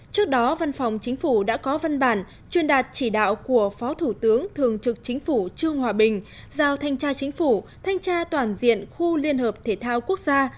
trước đó văn phòng chính phủ đã có văn bản chuyên đạt chỉ đạo của phó thủ tướng thường trực chính phủ trương hòa bình giao thanh tra chính phủ thanh tra toàn diện khu liên hợp thể thao quốc gia